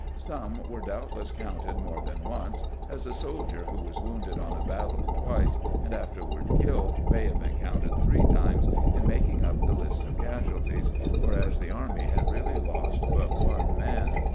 Some were doubtless counted more than once, as a soldier who was wounded in a bat tle twice, and afterward killed, may have been counted three times in making up the list of casualties, whereas the army had really lost but one man.